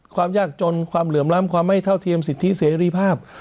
ความยากจนความเหลื่อมล้ำความไม่เท่าเทียมสิทธิเสรีภาพ